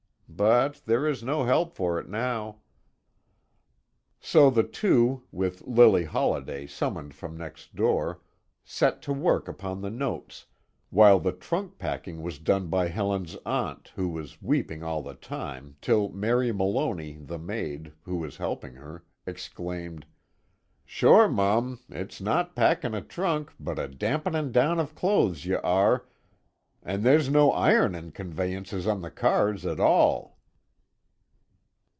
But there is no help for it now." So the two, with Lily Holliday, summoned from next door, set to work upon the notes, while the trunk packing was done by Helen's aunt, who was weeping all the time, till Mary Malony, the maid, who was helping her, exclaimed: "Sure mum, it's not packin' a thrunk, but a dampenin' down of clothes ye are, and they's no ironin' convayniences on the cars at all."